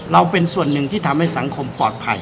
เราเป็นส่วนหนึ่งที่ทำให้สังคมปลอดภัย